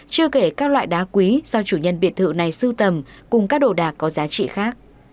chưa kể các loại đá quý do chủ nhân biệt thự này sưu tầm cùng các đồ đạc có giá trị khác